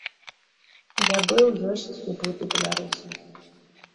Я быў, ёсць і буду беларусам.